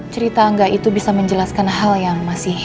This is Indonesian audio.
cerita angga itu bisa menjelaskan hal yang masih ada